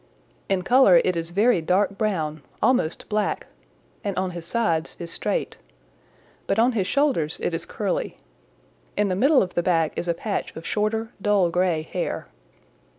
In color it is very dark brown, almost black, and on his sides is straight. But on his shoulders it is curly. In the middle of the back is a patch of shorter dull gray hair.